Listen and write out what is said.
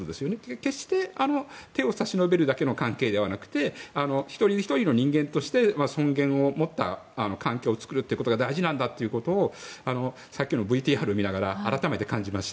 決して手を差し伸べるだけの関係ではなくて一人ひとりの人間として尊厳を持った環境を作ることが大事なんだということをさっきのＶＴＲを見ながら改めて感じました。